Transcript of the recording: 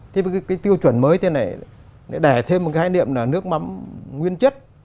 thế với cái tiêu chuẩn mới thế này để thêm một cái khái niệm là nước mắm nguyên chất